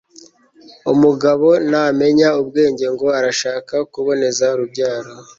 umugabontamenya ubwenge ngo arashaka kuboneza urubyaro